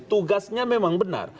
tugasnya memang benar